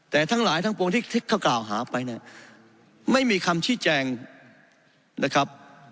แต่ทั้งหลายทั้งปวงที่เขากล่าวหาไปเนี่ยไม่มีคำชี้แจงนะครับ